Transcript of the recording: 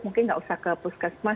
mungkin nggak usah ke puskesmas